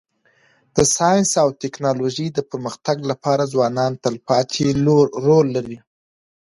د ساینس او ټکنالوژۍ د پرمختګ لپاره ځوانان تلپاتی رول لري.